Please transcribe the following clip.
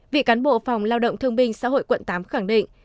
vị cán bộ phòng lao động thương binh xã hội quận tám khẳng định